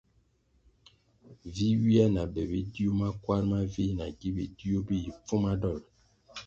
Vi ywia na be bidiu makwarʼ mavih nagi bidiu bi yi pfuma dolʼ.